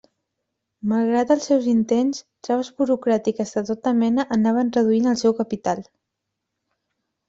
Malgrat els seus intents, traves burocràtiques de tota mena anaven reduint el seu capital.